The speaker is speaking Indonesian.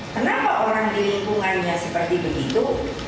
kenapa orang di lingkungannya seperti begitu